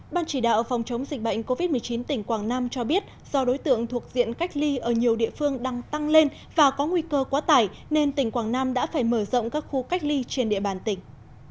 ban chỉ đạo phòng chống dịch bệnh covid một mươi chín tỉnh quảng nam cho biết do đối tượng thuộc diện cách ly ở nhiều địa phương đang tăng lên và có nguy cơ quá tải nên tỉnh quảng nam đã phải mở rộng các khu cách ly trên địa bàn tỉnh